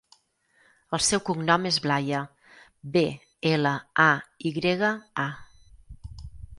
El seu cognom és Blaya: be, ela, a, i grega, a.